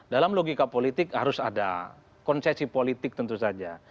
dalam logika politik harus ada konsesi politik tentu saja